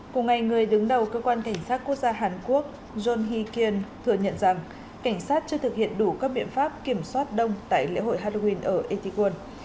cùng ngày người đứng đầu cơ quan cảnh sát quốc gia hàn quốc john hee kyen thừa nhận rằng cảnh sát chưa thực hiện đủ các biện pháp kiểm soát đông tại lễ hội halloween ở itaewon